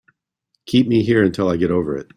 Keep me here until I get over it.